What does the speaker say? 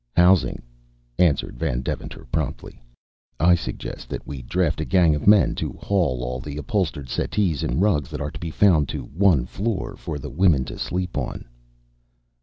"Housing," answered Van Deventer promptly. "I suggest that we draft a gang of men to haul all the upholstered settees and rugs that are to be found to one floor, for the women to sleep on."